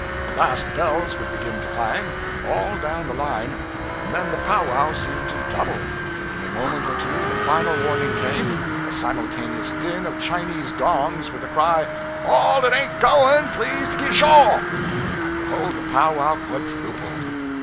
The 'last bells' would begin to clang, all down the line, and then the powwow seemed to double; in a moment or two the final warning came, a simultaneous din of Chinese gongs, with the cry, 'All dat ain't goin', please to git asho'!' and behold, the powwow quadrupled!